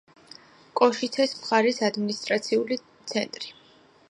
კოშიცეს მხარის ადმინისტრაციული ცენტრი.